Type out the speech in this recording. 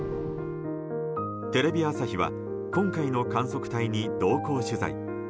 テレビ朝日は今回の観測隊に同行取材。